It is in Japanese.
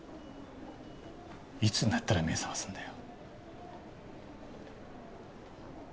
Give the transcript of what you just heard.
いつになったら目覚ますんだよ。